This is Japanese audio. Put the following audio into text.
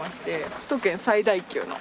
首都圏最大級の。